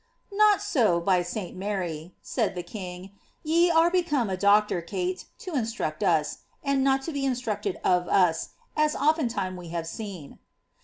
^^ Not so, by St. Mary," said the king ;'^ ye are become a doctor, Kate, to instruct us, and not to be instructed of us, as oftendBM we have seen."